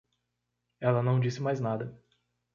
Ela não disse mais nada.